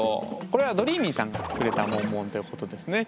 これはどりーみぃさんがくれたモンモンということですね。